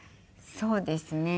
そうですね。